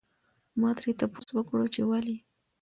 ما ترې تپوس وکړو چې ولې؟